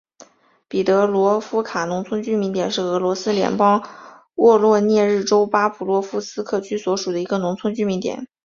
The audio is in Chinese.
彼得罗夫卡农村居民点是俄罗斯联邦沃罗涅日州巴甫洛夫斯克区所属的一个农村居民点。